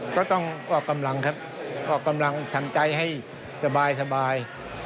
ก็ต้องออกกำลังครับออกกำลังทันใจให้สบาย